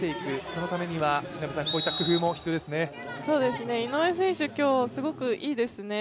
そのためにはこういった工夫も必要ですね。